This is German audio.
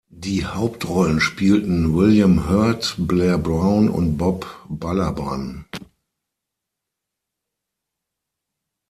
Die Hauptrollen spielten William Hurt, Blair Brown und Bob Balaban.